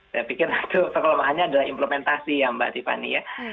saya pikir satu kelemahannya adalah implementasi ya mbak tiffany ya